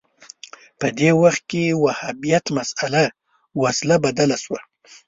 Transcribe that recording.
په دې وخت کې وهابیت مسأله وسله بدله شوه